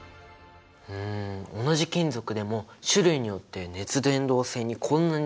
うん同じ金属でも種類によって熱伝導性にこんなに違いがあるんだね！